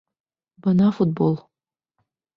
Бына футбол...